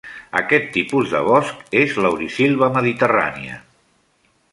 Aquest tipus de bosc és laurisilva mediterrània.